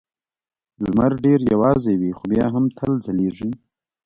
لمر ډېر یوازې وي خو بیا هم تل ځلېږي.